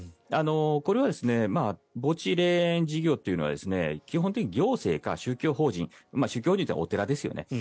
これは墓地霊園事業というのは基本的に行政か宗教法人宗教法人というのはお寺ですよね。